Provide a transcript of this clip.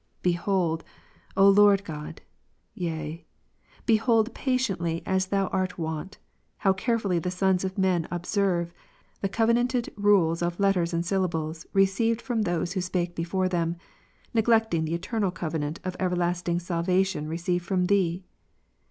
Behold, O Lord God, yea, behold patiently as Thou Inconsistent wayivardness of his childhood. 17 art wont, how carefully the sons of men observe the cove nanted rules of letters and syllables received from those who spake before them, neglecting the eternal covenant of ever lasting salvation received from Thee.